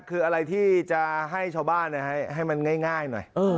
คืออะไรที่จะให้ชาวบ้านให้มันง่ายหน่อย